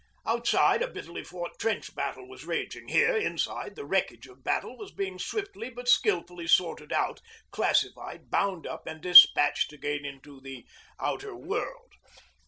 Outside a bitterly fought trench battle was raging; here, inside, the wreckage of battle was being swiftly but skilfully sorted out, classified, bound up, and despatched again into the outer world.